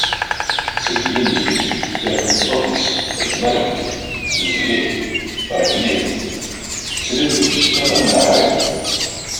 Seg yinig, tekker tmeṭṭut-is, teddem arekti, tessebzeg-it, terekn-it, tettel-it deg tceṭṭiḍin n leḥrir.